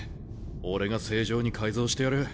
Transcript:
俺が正常に改造してやる。